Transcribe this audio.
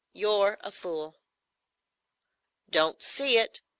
You're a fool." "Don't see it.